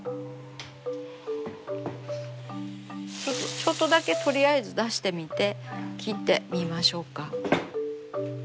ちょっとだけとりあえず出してみて切ってみましょうか。